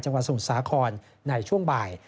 จังหวัดสมุทรสาขรในช่วงบ่าย